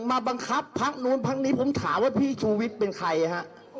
มาบังคับพักนู้นพักนี้ผมถามว่าพี่ชูวิทย์เป็นใครฮะ